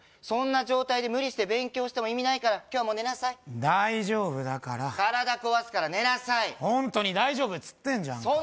そんな状態で無理して勉強しても意味ないから今日はもう寝なさい大丈夫だから体壊すから寝なさいホントに大丈夫っつってんじゃん